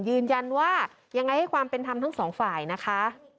ยืนยันว่ายังไงให้ความเป็นธรรมทั้งสองฝ่ายนะคะ